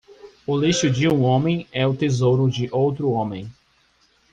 O lixo de um homem é o tesouro de outro homem.